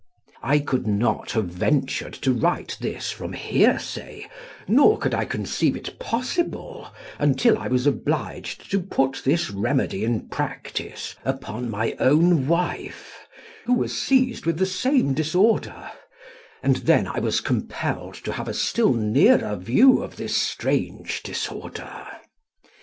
"I could not have ventured to write this from hearsay, nor could I conceive it possible, until I was obliged to put this remedy in practice upon my own wife, who was seized with the same disorder, and then I was compelled to have a still nearer view of this strange disorder.